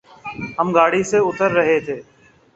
ہم گاڑی سے اتر رہ تھے